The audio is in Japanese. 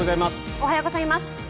おはようございます。